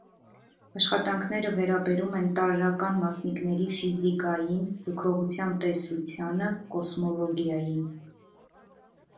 Աշխատանքները վերաբերում են տարրական մասնիկների ֆիզիկային, ձգողության տեսությանը, կոսմոլոգիային։